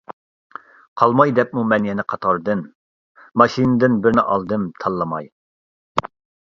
قالماي دەپمۇ مەنمۇ يەنە قاتاردىن، ماشىنىدىن بىرنى ئالدىم تاللىماي.